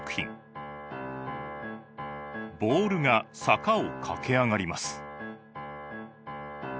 ボールが坂を駆け上がります。